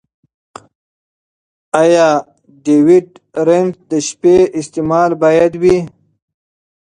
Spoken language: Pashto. ایا ډیوډرنټ د شپې استعمال باید وي؟